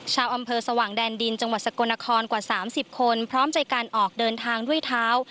ชาวอำเภอสว่างแดนดินจังหวัดสกลนครกว่า๓๐คนพร้อมใจการออกเดินทางด้วยเท้า